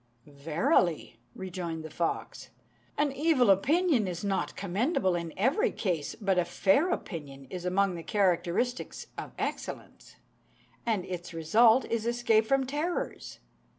'" "Verily," rejoined the fox, "an evil opinion is not commendable in every case; but a fair opinion is among the characteristics of excellence, and its result is escape from terrors.